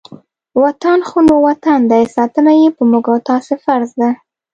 وطن خو نو وطن دی، ساتنه یې په موږ او تاسې فرض ده.